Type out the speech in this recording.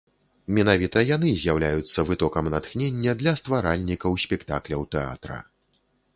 Менавіта яны з'яўляюцца вытокам натхнення для стваральнікаў спектакляў тэатра.